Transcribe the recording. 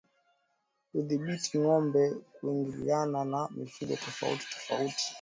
Kudhibiti ngombe kuingiliana na mifugo tofautitofauti